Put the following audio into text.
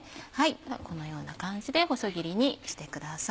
このような感じで細切りにしてください。